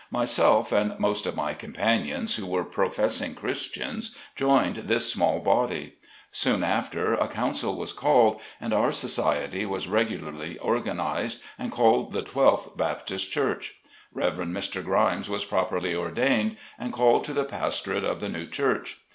Myself and most of my com panions who were professing Christians, joined this small body. Soon after, a council was called and our society was regularly organized and called the Twelfth Baptist Church. Rev. Mr. Grimes was properly ordained, and called to the pastorate of the new church.